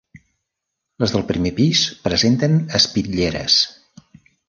Les del primer pis presenten espitlleres.